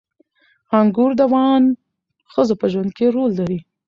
انګور د افغان ښځو په ژوند کې رول لري.